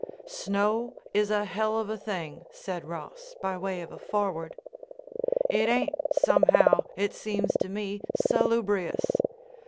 "Snow is a hell of a thing," said Ross, by way of a foreword. "It ain't, somehow, it seems to me, salubrious.